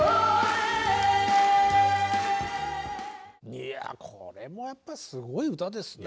いやこれもやっぱりすごい歌ですね。